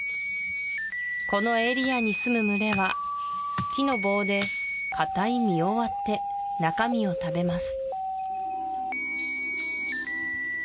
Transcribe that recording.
このエリアにすむ群れは木の棒で堅い実を割って中身を食べます